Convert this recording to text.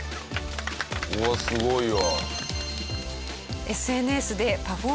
うわっすごいわ。